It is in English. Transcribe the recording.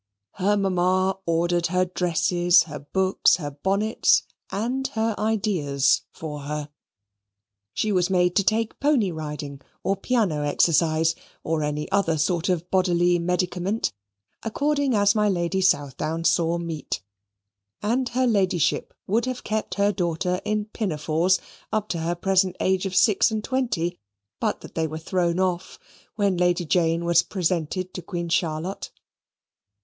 Her mamma ordered her dresses, her books, her bonnets, and her ideas for her. She was made to take pony riding, or piano exercise, or any other sort of bodily medicament, according as my Lady Southdown saw meet; and her ladyship would have kept her daughter in pinafores up to her present age of six and twenty, but that they were thrown off when Lady Jane was presented to Queen Charlotte.